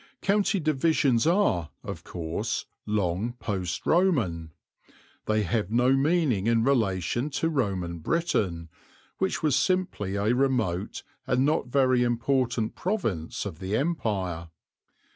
County divisions are, of course, long Post Roman; they have no meaning in relation to Roman Britain, which was simply a remote and not very important province of the Empire.